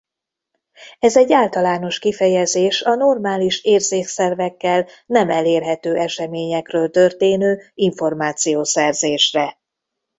Ez egy általános kifejezés a normális érzékszervekkel nem elérhető eseményekről történő információszerzésre.